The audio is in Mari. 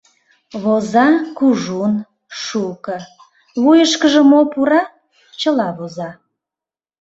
Воза кужун, шуко, вуйышкыжо мо пура, чыла воза.